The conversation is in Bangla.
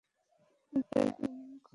আমি ড্রাই ক্লিনিং করাবো।